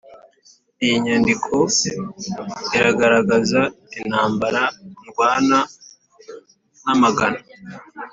Iyi nyandiko iragaragaza intambara ndwana namagana.